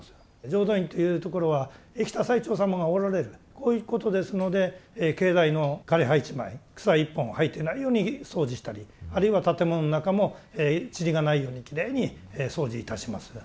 浄土院というところは生きた最澄様がおられるこういうことですので境内の枯れ葉一枚草一本生えてないように掃除したりあるいは建物の中もちりがないようにきれいに掃除いたします。